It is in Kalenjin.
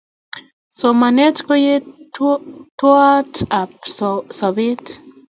Somanet ko yeteiwat ab sobet